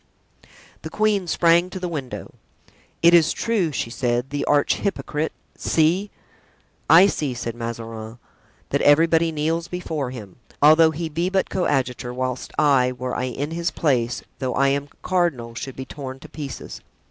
The queen sprang to the window. "It is true," she said, "the arch hypocrite—see!" "I see," said Mazarin, "that everybody kneels before him, although he be but coadjutor, whilst I, were I in his place, though I am cardinal, should be torn to pieces.